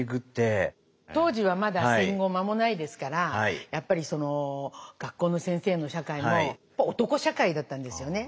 当時はまだ戦後間もないですからやっぱり学校の先生の社会も男社会だったんですよね。